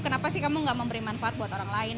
kenapa sih kamu gak memberi manfaat buat orang lain